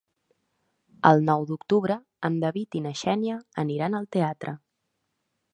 El nou d'octubre en David i na Xènia aniran al teatre.